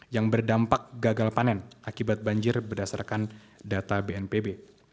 yang berdampak gagal panen akibat banjir berdasarkan data bnpb